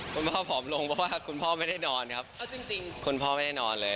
คุณพ่อผอมลงเพราะว่าคุณพ่อไม่ได้นอนครับคุณพ่อไม่ได้นอนเลย